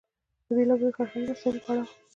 د بېلابېلو فرهنګي مسئلو په اړه و.